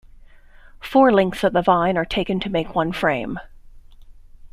Four lengths of the vine are taken to make one frame.